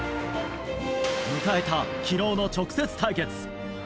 迎えた昨日の直接対決。